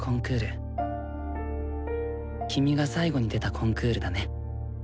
君が最後に出たコンクールだね。